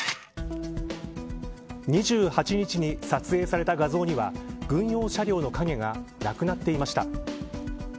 ２８日に撮影された画像には軍用車両の影がなくなっていました。